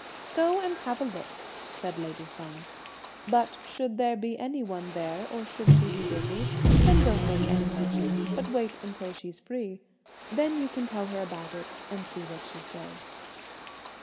"Go and have a look," said lady Feng; "but, should there be any one there, or should she be busy, then don't make any mention; but wait until she's free, when you can tell her about it and see what she says."